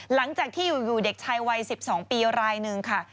หลังจากที่อยู่เด็กชายวัย๑๒ปีรายหนึ่งค่ะ